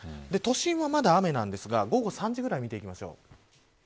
都心は、まだ雨ですが午後３時ぐらいを見ていきます。